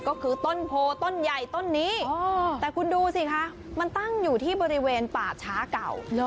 ก็คือต้นโพต้นใหญ่ต้นนี้แต่คุณดูสิคะมันตั้งอยู่ที่บริเวณป่าช้าเก่า